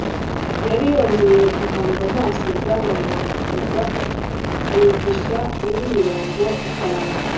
yari yongeye guhanga amaso bwana nanga kuva anyigisha muri mirongo itanu